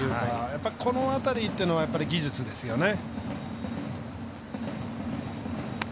やっぱりこの辺りというのは技術ですよね。